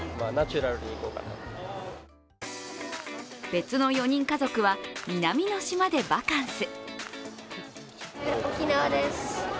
別の４人家族は南の島でバカンス。